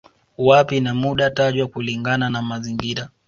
Wapi na muda tajwa kulingana na mazingira